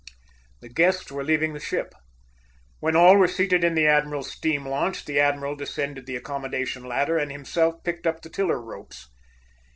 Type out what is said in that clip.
The guests were leaving the ship. When all were seated in the admiral's steam launch, the admiral descended the accommodation ladder and himself picked up the tiller ropes.